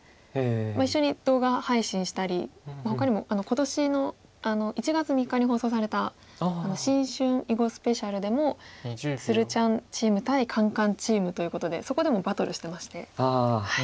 一緒に動画配信したりほかにも今年の１月３日に放送された新春囲碁スペシャルでもつるちゃんチーム対カンカンチームということでそこでもバトルしてまして。